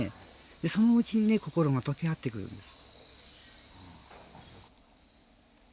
そのうちに心が解け合ってくるんです。